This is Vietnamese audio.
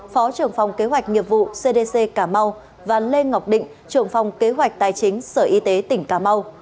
phó trưởng phòng kế hoạch nghiệp vụ cdc cảm mau và lê ngọc định trưởng phòng kế hoạch tài chính sở y tế tỉnh cà mau